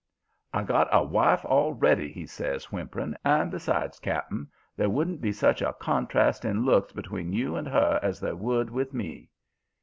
"'I got a wife already,' he says, whimpering. 'And, besides, cap'n, there wouldn't be such a contrast in looks between you and her as there would with me.'